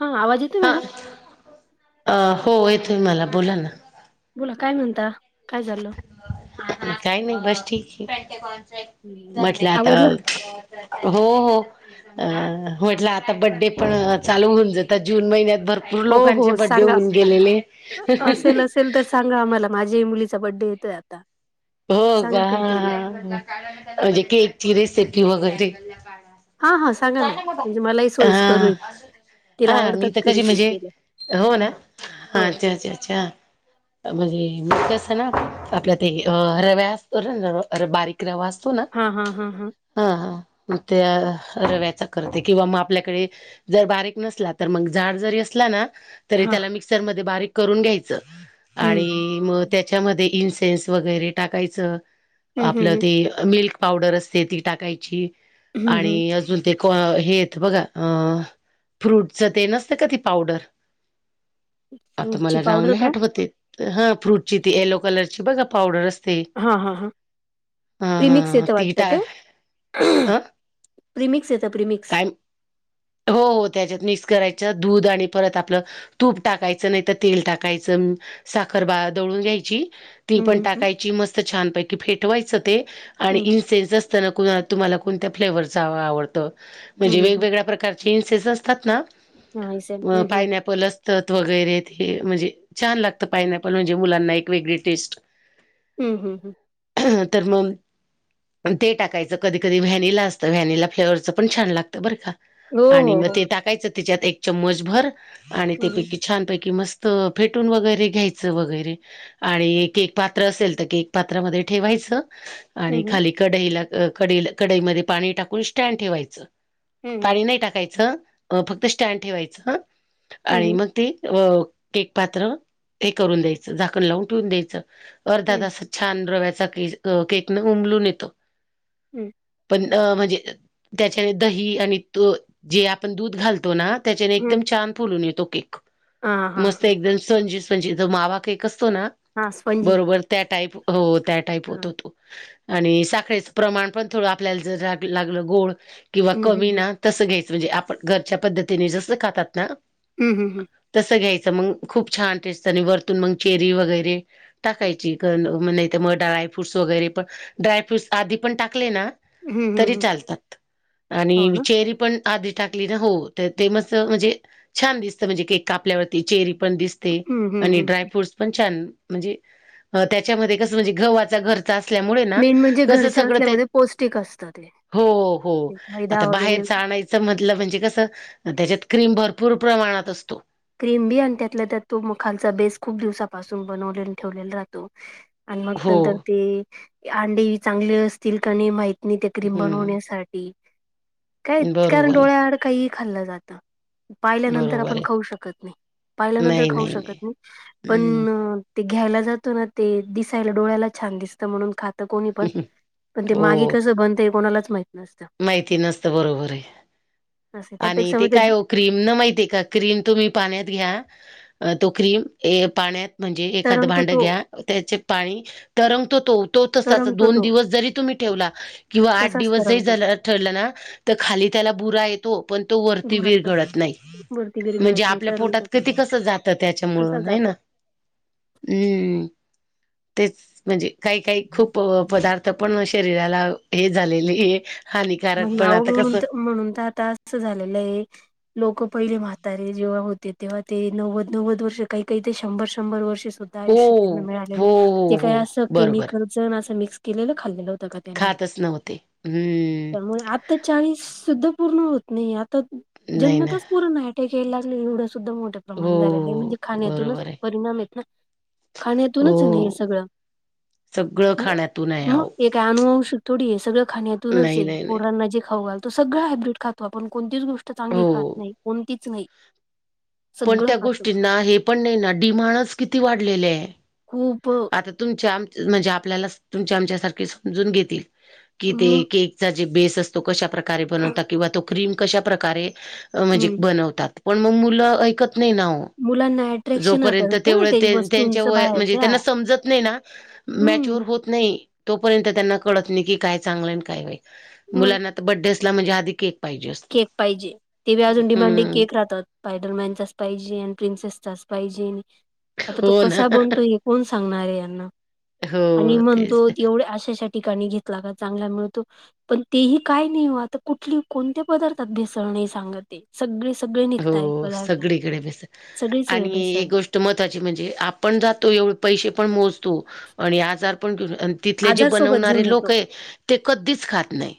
हा आवाज येतोय? हा माझा. अ हो येते मला, बोला हम्म. ना. बोला काय म्हणता? काय झालं? काही नाही बस ठीक आहे. हम्म. म्हटलं आता आवरलं? हो हो. अ म्हटलं आता बड्डे पण चालू होऊन जातात, जून महिन्यात भरपूर भरपूर हो लोकांचे हो बड्डे सांगा. होऊन गेलेले. असेल असेल तर सांगा आमला, माझ्या ही मुलीचा बड्डे येतय आता हो सांगा का! ह काहीतरी म्हणजे केकची रेसिपी वगैरे. हा हां. सांगा ना, म्हणजे मलाही सोइक्सर हा होईल. तिला हा आवडतात मी तर घरी कशी केक म्हणजे, केले हो ना, हो अच्छा, अच्छा, अच्छा म्हणजे म [unintelligible] असत ना आपल्या ते रव्या असतो ना, बारीक रवा असतो ना हा हा हा हा. हा हा म अ त्या रव्याचा करते, किंवा मग आपल्याकडे जर बारीक नसला, तर मग झाड जरी असला ना तरी हा त्याला मिक्सरमध्ये बारीक करून घ्यायचं, हम्म आणि मग त्याच्यामध्ये इन्सेनस वगैरे टाकायचं, हम्म आपलं हम्म ते मिल्क पावडर असते ती टाकायची हम्म हम्म आणि अजून ते हेेअसत बघा अ फ्रूटच ते नसते का ती पावडर, आता फ्रूटची मला नाव पावडर नाही का? आठवत ते ह फ्रूटची ती येलो कलरची बघा पावडर अस ते हा हा हा हा प्रिमिक्स हा येतं ति वाटतं टा--अह प्रीमिक्स येते, प्रीमिक्स, हो हो, त्याच्यात मिक्स करायचं दूध आणि परत आपलं तूप टाकायचं, नाहीतर तेल टाकायचं, साखर बा दळून घ्यायची- ती हम्म पण हम्म टाकायची, मस्त छानपैकी फेटवायचं ते, आणि हम्म हम्म इसेन्सन त्यांना, कुणाला तुम्हाला कोणत्या फ्लेवरचं आवडतं म्हणजे हम्म हम्म हम्म वेगवेगळ्या प्रकारचे इन्सेस असतात ना, हा हम्म हम्म पायनॅपल अस तत वगैरे ते हे म्हणजे छान लागतं, पायनॅपल. म्हणजे मुलांना एक वेगळी टेस्ट हं हं हं. तर मग ते टाकायचं, कधी कधी व्हॅनिला असतं, व्हॅनिला फ्लेवरचं पण छान लागत, बर का! हो आणि हो मग हो ते टाकायच. त्याच्यात एक चमच भर आणि हम्म ते छानपैकी मस्त फेटून वगैरे घ्यायचं. वगैरे. आणि केक पात्र असेल, तर केक पात्रामध्ये ठेवायचं. हम्म आणि खाली कडईला, क -कढईमध्ये पाणी टाकून स्टँड ठेवायचं. हम्म पाणी नाही टाकायचं, फक्त स्टँड ठेवायचं ह आणि हम्म मग ते केक पात्र हे करून द्यायचं, झाकण लावून ठेवून द्यायचं, अर्धा हम्म तास छान रव्याचा केक उंमलून येतो हम्म. म्हणजे त्याच्या दही आणि दु -जे आपण दूध घालतो ना, त्याच्याने हम्म एकदम छान फुलून येतो केक हां हां मस्त हां एकदम स्पंजी म्हणजे जो मावा केक असतो ना, हां स्पंजी बरोबर त्या टाईप हो, त्या टाईप हं होतो तो. आणि साखरे चं प्रमाण पण थोडं आपल्याला जर लागलं गोड किंवा हं कमी हं ना तसं घ्यायचं, म्हणजे आपण घरच्या पद्धतीने जसं खातात ना हं हं हं तसं घ्यायचं, मग खूप छान टेस्ट आणि वरतून मग चेरी वगैरे टाकायची. नाही तर मग ड्रायफ्रूट्स वगैरे पण ड्रायफ्रूट्स आधी पण टाकले ना, हं हं तरी हं चालतात, हो आणि ना चेरी पण आधी टाकली ना, हो, तर ते मस् म्हणजे छान दिसत म्हणजे केक कापल्यावरती चेरी पण दिसत हं हं हं ड्राय फ्रुट पण छान म्हणजे त्याच्यामध्ये कस म्हणजे ग घ असल्यामुळे ना मेन म्हणजे कस घरच्या सगळं ते असल्यामध्ये पौष्टिक असतं ते हो हो ते मैदा आता वगैरे बाहेरच आणायचं मधलं म्हणजे कसं त्याच्यात क्रीम भरपूर प्रमाणात असतो क्रीम बी आणि त्यातला त्या तो खालचा बेस खूप दिवसापासून बनवले ठेवलेला राहतो आणि मग हो नंतर ते अंडे चांगले असतील का नाही माहिती न ते क्रीम हम्म बनवण्यासाठी काय कारण बरोबर आहे डोळ्याआड काही खाल्लं जातं पाहिल्यानंतर बरोबर आपण आहे खाऊ शकत नाही पाहिल्यानंतर खाऊ शकत नाही पण हम्म ते घ्यायला जातो ना ते दिसायला डोळ्याला छान दिसत म्हणून ख कोणी पण पण ते हो मागे कसं बनतं हे कोणालाच माहित नसतं माहिती नसत बरोबर आहे असं आणि त्यापेक्षा ते मग काय क्रीम न माहितीे का क्रीम तुम्ही पाण्यात घ्या तो क्रीम पाण्यात म्हणजे एखादं तरंगतो भांड तो घ्या त्याचे पाणी तरंगतो तो तो तसाच तरंगतो दोन तो दिवस जरी तुम्ही ठेवला किंवा आठ तसाच दिवस जरी तरंगतो झा तो ठरलं ना तर खाली त्याला बुरा येतो पण तो वरती विर गुरांच्या घडत नाही वरती म्हणजे विरघळत नाही आपल्या पोटात तरंगतो तो किती कसं जातं त्याच्यामुळ कसा आहे ना जातो हम्म तेच म्हणजे काही काही खूप पदार्थ आपण शरीराला हे झालेली मग नाव म्हणून म्हणून तर आता असं झालेलं आहे लोक पहिले म्हातारे जेव्हा होते तेव्हा ते नव्वद नव्वद वर्ष काही काही ते शंभर शंभर वर्षेच हो आयष्य त्यांना मिळालेलं हो हो ते हो काही असं बरोबर केमिकल अस मिक्स केलेलं खाल्लंत खातच नव्हते हम्म आता चाळीस सुद्धा पूर्ण होत नाही आता नाही ना जन्मताच पूर्ण आहे खेयला लागले एवढं सुद्धा मोठ्या प्रमाण झालेलं आहे म्हणजे हो खाण्यातूनच बरोबर आहे परिणाम येत ना खाण्यातूनच ना हे हो सगळं सगळं हो. खाण्यातून आहे मग आहो हे काय अुवू शक ोडी हे सगळं खाण्यात नाही नाही नाही जे खाऊालो सगळ हायब्रिड खातो आपण कोणतीच गोष्ट चांगली खात हो नाही कोणतीच नाही पण सगळं त्या खातो. गोष्टींना हे पण नाही ना डिमाांडच किती वाढलेले आहे उप आ तुम म्हणजे आपल्याला तुमच्या आमच्या सारख समजून घेतील कि ते मग केक जे बेस असतो कशा प्रकारे बनवतात किंवा तो क्रीम कशा प्रकारे म्हणजे हं. बनवतात पण मग मुलं ऐकत नाही ना मुलांना अट्रॅक्शन होत जोपर्यंत असतं ना तेवढ ते त्यांच्या वस्तूंचं व म्हणजे बाहेरच्या. त्यांना समजत नाही ना मच हं. होत नाही तोपर्यंत त्यांना कळत नाही की काय चांगलं काय मग मुलांना बड्डेसलाणजे आधी केक पाहिजे असतो केक पाहिजे ते अजून डिमांडी हम्म केक राहतात पायडल मॅनचाच पाहिजे आणि प्रिन्सेसचाच पाहिजे आणि आता तो हो ना कसा बनतोय हे कोण सांगणार आहे यांना आणि हो म्हणतो तेच तर. एवढ्या आशासाठी ठिकाणी घेतला का चांगला मिळतो पण तेही काय नाही आता कुठली कोणत दर त दिस नाही सांगते सगळे सगळे निघताय हो पदारताय सगळीकडे सगळेचळे बेसळे मताची म्हणजे आपण जातो एवढे पैसे पण मोजतो आणि आजार पण घेऊन तिथले जे आजार सोबत जीवन बनवणारे लोक येतो आहे ते कधीच खात नाही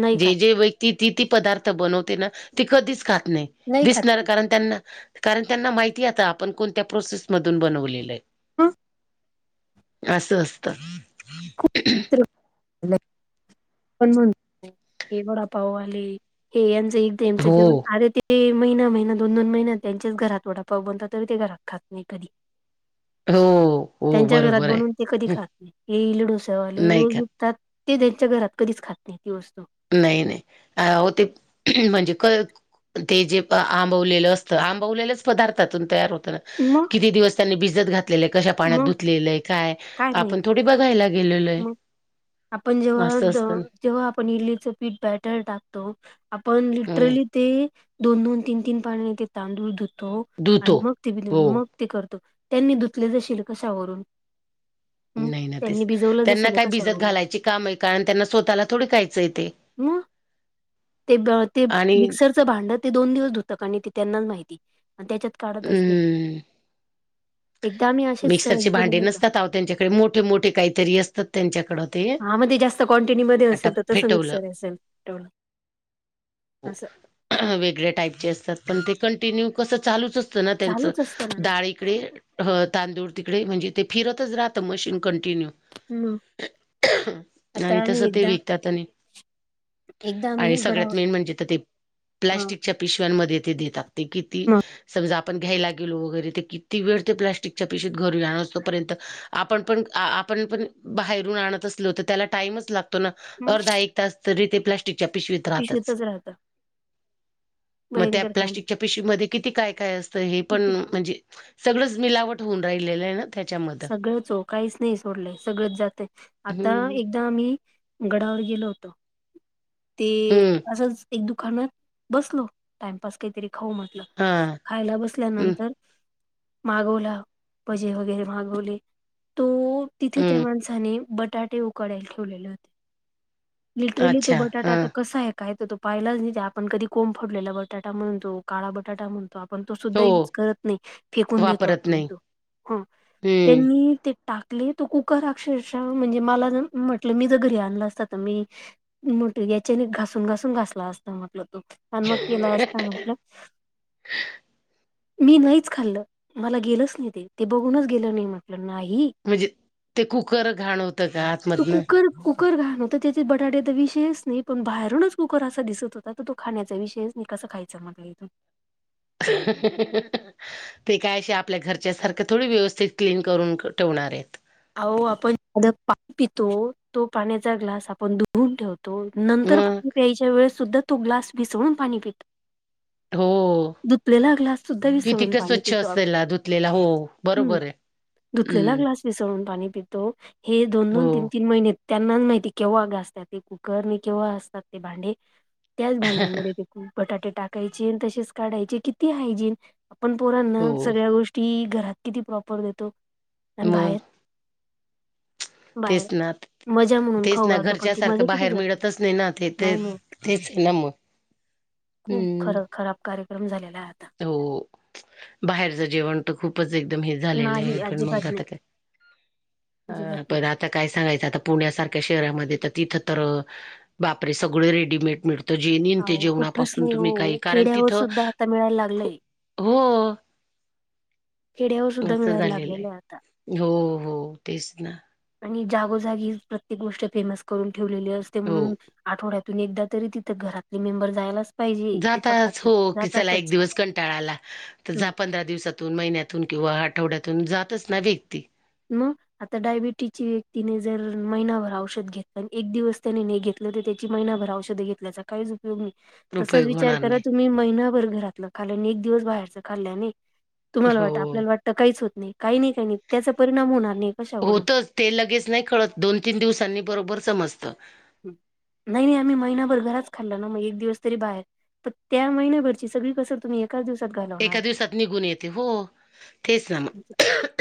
नाही जे खात जे व त ति ती पदार्थ बनवते ना ती कधीच खात नाही खात दिसणार ती कारण त्यांना कारण त्यांना माहिती आता आपण कोणत्या प्रोसेसमधून बनवलेलं आहे हम असं असस्त त पण म्हण हे वडापाऊ आले हे यांच एकच हो जेवण आ ते ते महिना महिना दोन दोन महिन्या त्यांचेच घरातवडापाव बनत तरी ते घरात खास नाही कधी हो हो त्यांच्या घरात बरोबर आहे बनून ते कधी हं, खात नाही हे इले डोसेवाले नाही का रोज तर ते त्यांच्या घरात कधीच खात नाही ती वस्तू नाही नाही अ हो ते म्हणजे क ते जे आंबवलेलं असतं आंबवलेलंच पदार्थातून तयार होतं ना हना किती दिवसनी बिजत घातली लेलंय कशा पाण्यात धुतलेलंय काय आपण थोडी बघायला गेलेलय मग आपण जेव्हा जेव्हा आपण इल्लीचं पीठ बॅटर टाकतो आपण हम्म लिटरली ते दोन दोन तीन तीन पाण्या ते तांदूळ धुतो आणि धुतो मग ते हो मग करतो त्यांनी धुचले जाशील कसावरून नाही ना तेच त्यांना काय भिजत कशावरून घालायची काम आहे कारण त्यांना स्वतःला थोडी काायचं येते म ते ते आणि मिक्सर भांडत ते दोन दिवस धुतक आणि ते त्यांनाच माहिती त्याच्यात काढत असतील हम्म एकदा आम्ही असेच सहज मिक्सरचे भांडे गेलेलो होतो नसतात त्यांच्याकडे मोठे मोठे काहीतरी असतात त्यांच्याकड ते हा मग ते जास्त क्वांटिटीमध्येध्ये आता असेल तर तस फेटवलं मिक्सर असेलव वेगळ्या टाईपचे असतात पण ते कंटिन्यू कसं चालूच अस त्यांच चालूच असतं ाळी तिकडे तांदूळ तिकडे म्हणजे ते फिरतच राहतं मशीन कंटिन्यू हम् आणि तस ते विकतात आणि एकदा आम्ही आणि सगळ्यात गडावर म्हण प् हा मग आपण घ्यायला गेलो वगैरे ते किती वेळ ते प्लास्टिकच्या पिशी घर जाणार असतोपर्यंत आपण पण आपण पण बाहेरून आणत असलोत त्याला टाइमच लागतो तो अर्धा एक तास तरी ते प्लास्टिकच्या पिशवीत राहतात पिशवीतच राहत मग त्या भयंकर काम प्लास्टिकच्या पिशीवीमध्येध्ये किती काय काय असत हे पण किती म्हणजे सगळंच मिलावट होऊन राहिलेलं आहे ना त्याच्यामध्ये सगळंच हो काहीच नाही सोडलंय सगळंच जातं आता हम्म एकदा आम्ही गडावर गेलो होतो ते हम्म असंच एक दुकानात बसलो टाइमपास काहीतरी खाऊ म्हटलं हा खायला हम्म बसल्यानंतर मागवला पजे वगैरे माग ले तो तिथे त्या हम्म माणसाने बटाटे उकडायला ठेवलेले होते लिटरली तो अच्छा हा बटाटाता कसा आहे काय तर तो पाहिलाच नाही आपण कधी कोंब फडलेला बटाटा म्हणतो काळा बटाटा म्हणतो पण तो हो सुद्धा युज करत नाही फेकून देतो वापरत आपण नाही तो ह हम्म त्यांनी ते टाकले तो कुकर अक्षरश म्हणजे मला म्हटलं मी ज घरी आणलं असत तर मी मोठ याच्याने घासून घासून घासला असता म्हट तो आणि मग केला असता म्हटलं [unintelligible] मी नाहीच खाल्लं मला गेलंच नाही ते ते बघूनच गेलं नाही म्हटलं नाही म्हणजे ते कुकर घाणवतं का तो आतमधन कुकर कुकर घाण होतं त्याच्यात बटाट्याचा विषयच नाही पण बाहेरूनच कुकर असा दिसत होता तर तो खाण्याचा विषयच नाही कसा खायचा ेत ह ते काय आपल्या घरच्या सारख थोडी व्यवस्थित क्लीन करून ठेवणार आहेत अहो आपण पाणी पितो तो पाण्याचा ग्लास आपण ुधून ठेवतो तो नंतर मग पाणी प्यायच्या वेळेस सुद्धा तो ग्लास भसळून पाणी हो पितो दुपलेला ग्लास सुद्धा किती विसळून का पाणी स्वच्छ पितो आपण असेल धुतलेला हो हम्म बरोबर आहे ुतलेला हम्म ग्लास विसळून पाणी पितो हे दोन हो दोन तीन तीन महिने त्यांना माहिती केव्हा घासतात ते कुकर आणि केव्हा असतात ते भांडे त्याच भांड्यांमध्ये बटाटे टाकायचे तसेच काढायचे किती हायजीन आपण पोरांना हो सगळ्या गोष्टी ती घरात किती प्रॉपर देतो आणि बाहेर बाहेर तेचनाथ मजा म्हणून तेच खाऊ ना घालतो पण घरच्या ती सारखं मजा किती बाहेर जडते मिळतच नाही ना ते ते नाही मिळत तेच आहे ना मग खूप हम्म. खर खराब कार्यक्रम झालेला आहे आता हो बाहेरच जेवण खूपच एकदम हे झालेलं आहे नाही पण मग अजिबात आता नाही अजिबात काय नाही पण ता काय सांगायचं आता पुण्यासारख्या शहरामध्ये तर तिथं तर बापरे सगळे रेडीमेड मिळत जे नेनते अहो कुठच जेवणापासून नाही हो तुम्ही काही कारण खेड्यावर तिथं सुद्धा आता मिळायला लागलय हो खेड्यावर सुद्धा असं मिळायला झालेलं लागलेलं आता आहे हो हो तेच ना आणि जागोजागी प्रत्येक गोष्ट फेमस करून ठेवलेली असते म्हणून हो. आठवड्यातून एकदा तरी तिथं घरातले मेंबर जायलाच पाहिजे तिथं जातच खातात हो की चला एक जातातच दिवस कंटाळाला तर जा हम्म पंधरा दिवसात महिन्यातून किंवा आठवड्यातून जातच ना व्यक्ती मग आता डायबिटीजच्या व्यक्तीने जर महिनाभर औषध घेतलं एक दिवस त्याने न घेत ते त्याची महिनाभर औषधे घेतल्याचा काही य तसच उपयोग विचार होणार नाही. करा तुम्ही महिनाभर घरातलं खाल्ने एक दिवस बाहेरच खाल्ल्याने तुम्हाला वाटतं हो. आपल्याला वाटतं काहीच होत नाही काही नाही काही नाही त्याचा परिणाम होणार नाही कशावरून होतच ते लगेच नाही खळत दोन तीन दिवसांनी बरोबर समजतं नाही नाही आम्ही महिनाभर घराच खाल्ल ना मग एक दिवस तरी बाहेर त्या महिन्याभरची सगळी कसर तुम्ही काय दिवसात घालवणार एका आहे दिवसात निघून येते हो तेच ना मग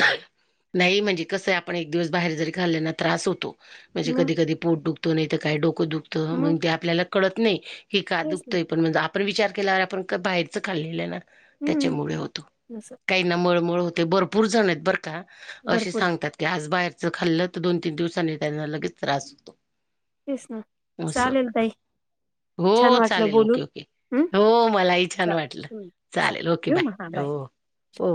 नाही म्हणजे कसं आहे आपण एक दिवस बाहेर जरी खाल्ल्याना त्रास होतो म्हणजे मग कधी कधी पोट दुखतो नाही काय डोकं मग दुखत आपल्याला कळत नाही की का तेच ना दुखतं पण आप विचार केल्यावर आपण बाहेरच खाल्ले हम्म त्याच्यामुळे होतो असं काही मळमळ होते भरपूर जण आहेत बर का असे भरपूर आहे सांगतात ते आज बाहेरचं खाल्लं तर दोन तीन दिवसांनी त्यांना लगेच त्रास होतो तेस ना असं. चालेल तई हो चालेल ओके ओके हम्म हो मलाही छान चालेल वाटलं हम्म चालेल ओके ठेवू मग हा बाय हो हो